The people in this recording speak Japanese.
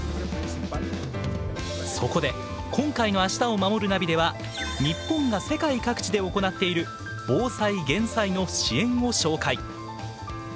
そこで今回の「明日をまもるナビ」では日本が世界各地で行っている防災・減災の支援を紹介。